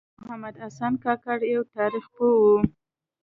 محمد حسن کاکړ یوه تاریخ پوه و .